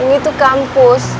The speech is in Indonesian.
ini tuh kampus